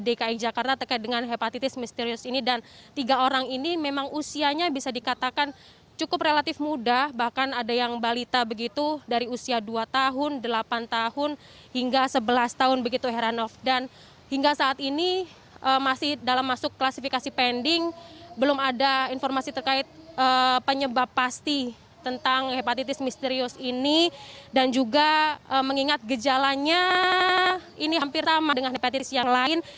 dan juga mengingat kejalanannya ini hampir sama dengan hepatitis yang lain